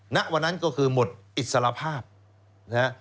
ณวันนั้นก็คือหมดอิสรภาพนะฮะ